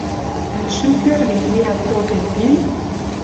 Ӓль шӱм кӧргет лиӓлт колтен пин?